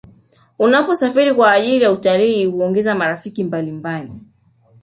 unaposarifiri kwa ajiri ya utalii huongeza marafiki mbalimbali